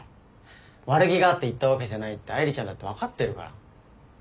悪気があって言ったわけじゃないって愛梨ちゃんだって分かってるから。